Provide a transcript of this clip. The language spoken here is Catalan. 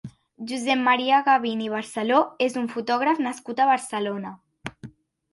Josep Maria Gavín i Barceló és un fotògraf nascut a Barcelona.